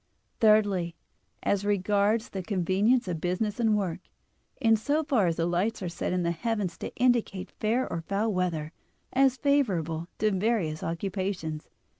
Thirdly, as regards the convenience of business and work, in so far as the lights are set in the heavens to indicate fair or foul weather, as favorable to various occupations.